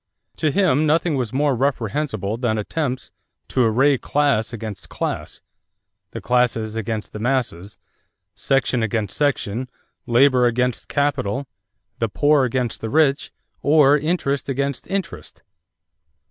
To him nothing was more reprehensible than attempts "to array class against class, 'the classes against the masses,' section against section, labor against capital, 'the poor against the rich,' or interest against interest."